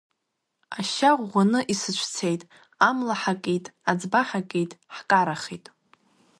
Ашьа ӷәӷәаны исыцәцеит, амла ҳакит, аӡба ҳакит, ҳкарахеит.